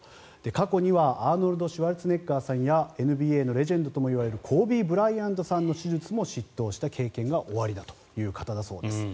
過去にはアーノルド・シュワルツェネッガーさんやＮＢＡのレジェンドともいわれるコービー・ブライアントさんの手術も執刀した経験がおありだという方だそうです。